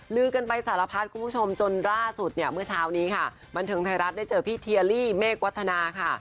ลือกันไปสารพัดคุณผู้ชมจนล่าสุดเนี่ยเมื่อเช้านี้ค่ะบันเทิงไทยรัฐได้เจอพี่เทียลี่เมฆวัฒนาค่ะ